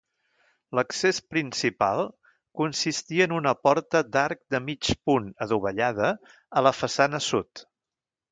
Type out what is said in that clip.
L'accés principal consistia en una porta d'arc de mig punt adovellada a la façana sud.